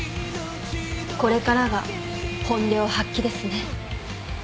これからが本領発揮ですね。